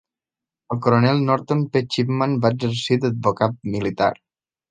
El coronel Norton P. Chipman va exercir d'advocat militar.